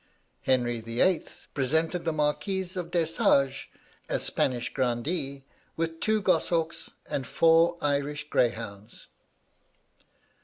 Henry VIII. presented the Marquis of Dessarages, a Spanish grandee, with two goshawks and four Irish greyhounds.'